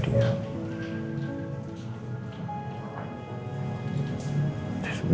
tidak ada apa apa papa